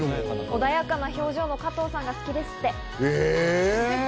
穏やかな表情の加藤さんが好きですって。